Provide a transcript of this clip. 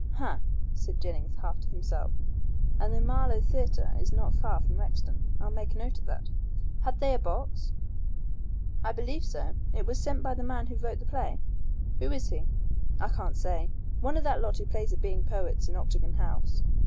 "Ha!" said Jennings half to himself, "and the Marlow Theatre is not far from Rexton. I'll make a note of that. Had they a box?" "I believe so. It was sent by the man who wrote the play." "Who is he?" "I can't say. One of that lot who play at being poets in Octagon House.